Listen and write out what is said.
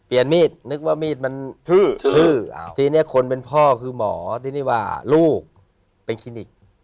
มีดนึกว่ามีดมันทื้อทีนี้คนเป็นพ่อคือหมอที่นี่ว่าลูกเป็นคลินิก